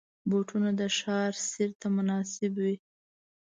بوټونه د ماښام سیر ته مناسب وي.